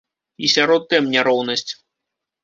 І сярод тэм няроўнасць.